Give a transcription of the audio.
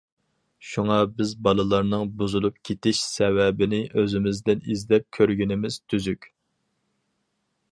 شۇڭا، بىز بالىلارنىڭ« بۇزۇلۇپ كېتىش» سەۋەبىنى ئۆزىمىزدىن ئىزدەپ كۆرگىنىمىز تۈزۈك.